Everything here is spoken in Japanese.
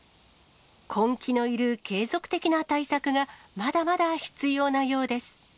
根気のいる継続的な対策が、まだまだ必要なようです。